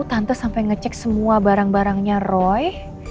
tante sampai ngecek semua barang barangnya roy